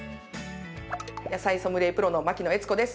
野菜ソムリエプロの牧野悦子です。